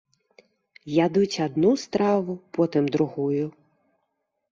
Ядуць адну страву, потым другую.